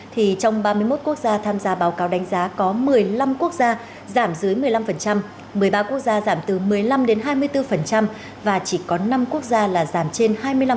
thì trong ba mươi một quốc gia tham gia báo cáo đánh giá có một mươi năm quốc gia giảm dưới một mươi năm một mươi ba quốc gia giảm từ một mươi năm đến hai mươi bốn và chỉ có năm quốc gia là giảm trên hai mươi năm